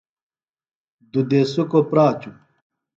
دُوۡ دیسُکوۡ پراچوۡ۔